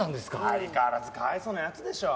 相変わらずかわいそうなヤツでしょ。